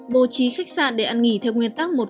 bố trí khách sạn để ăn nghỉ theo nguyên tắc